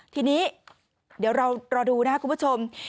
ทีนี้เดี๋ยวเรารอดูนะครับคุณผู้ชม